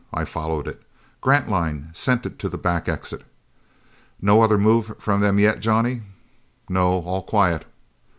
I followed it. Grantline sent it to the back exit. "No other move from them yet, Johnny?" "No. All quiet."